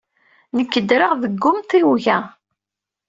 Nekk ddreɣ deg umtiweg-a.